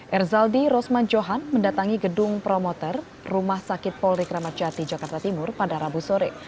erzaldi rosman johan mendatangi gedung promoter rumah sakit polri kramatjati jakarta timur pada rabu sore